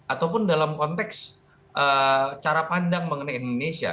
ataupun dalam konteks cara pandang mengenai indonesia